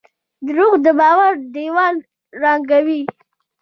دروغ د باور دیوال ړنګوي.